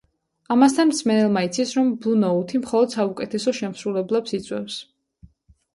ამასთან მსმენელმა იცის, რომ „ბლუ ნოუთი“ მხოლოდ საუკეთესო შემსრულებლებს იწვევს.